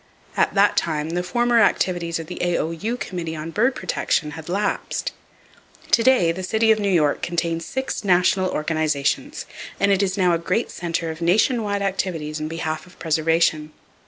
At that time the former activities of the A.O.U. Committee on Bird Protection had lapsed. To day the city of New York contains six national organizations, and it is now a great center of nation wide activities in behalf of preservation.